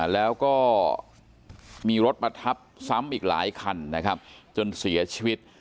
แล้วก็มีรถมาทับซ้ำอีกหลายคันนะครับจนเสียชีวิต